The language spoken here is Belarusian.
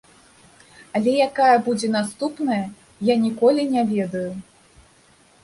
Але якая будзе наступная, я ніколі не ведаю.